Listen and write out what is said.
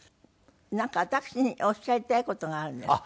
なんか私におっしゃりたい事があるんですって？